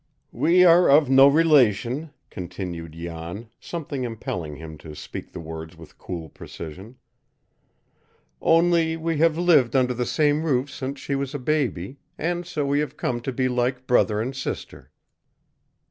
"We are of no relation," continued Jan, something impelling him to speak the words with cool precision. "Only we have lived under the same roof since she was a baby, and so we have come to be like brother and sister."